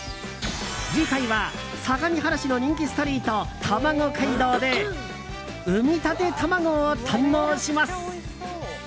次回は相模原市の人気ストリートたまご街道で生みたて卵を堪能します！